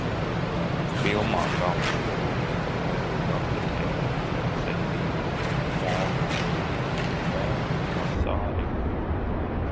Filmā galvenās lomas atveido Gabriēle Ferceti, Monika Viti un Lea Masāri.